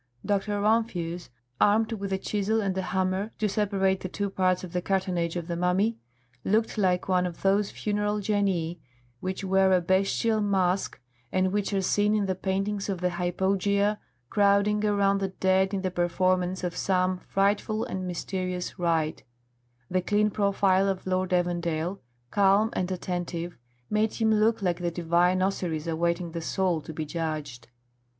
Dr. Rumphius, armed with a chisel and a hammer, to separate the two parts of the cartonnage of the mummy, looked like one of those funeral genii which wear a bestial mask and which are seen in the paintings of the hypogea crowding around the dead in the performance of some frightful and mysterious rite; the clean profile of Lord Evandale, calm and attentive, made him look like the divine Osiris awaiting the soul to be judged.